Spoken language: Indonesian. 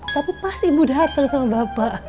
tapi pas ibu dateng sama bapak